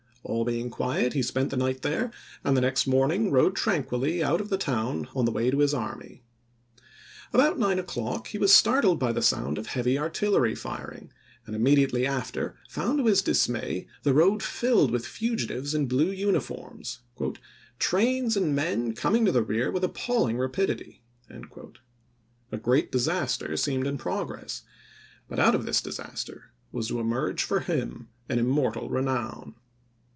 All being quiet he spent the night there, and the next morning rode tranquilly out of the town on the way to his army. About nine o'clock he was startled by the sound of heavy Sheridan, artillery firing, and immediately after found to his committee J ° J on Conduct dismay the road filled with fugitives in blue uni of the war. "*' 1865 dd. forms, "trains and men coming to the rear with sSt?" appalling rapidity." A great disaster seemed in ppf^iL progress — but out of this disaster was to emerge for him an immortal renown.